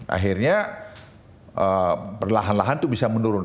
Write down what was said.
akhirnya perlahan lahan itu bisa menurun